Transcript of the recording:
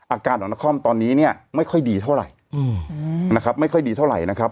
อาการของนครตอนนี้เนี่ยไม่ค่อยดีเท่าไหร่นะครับไม่ค่อยดีเท่าไหร่นะครับ